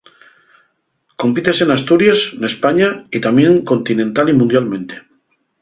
Compítese n'Asturies, n'España y tamién continental y mundialmente.